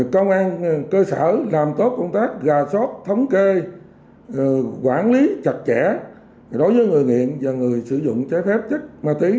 công an cơ sở làm tốt công tác gà sót thống kê quản lý chặt chẽ đối với người nghiện và người sử dụng trái phép chất ma túy